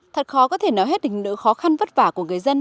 thật khó có thể nói hết đỉnh nữ khó khăn vất vả của người dân